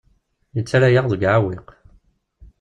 Yettarra-yaɣ deg uɛewwiq.